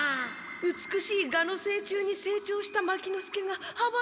美しいガの成虫に成長した牧之介が羽ばたいた！